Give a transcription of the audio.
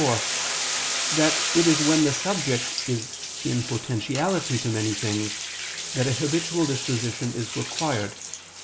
4) that it is when the subject is in potentiality to many things that a habitual disposition is required.